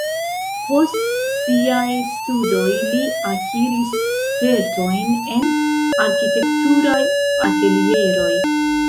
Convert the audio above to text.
Post siaj studoj li akiris spertojn en arkitekturaj atelieroj.